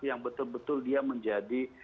yang betul betul dia menjadi